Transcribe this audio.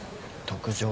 特上。